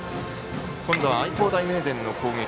今度は愛工大名電の攻撃